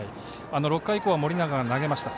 ６回以降は盛永が投げました。